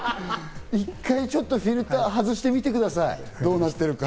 １回フィルターを外してみてください。